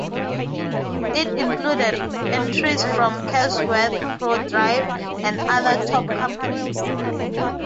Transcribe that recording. It included entries from Cosworth, Prodrive, and other top companies.